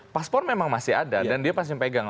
paspor memang masih ada dan dia pasti pegang